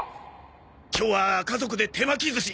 今日は家族で手巻き寿司。